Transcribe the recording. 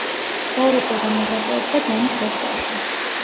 ცხოვრობდა და მოღვაწეობდა დონის როსტოვში.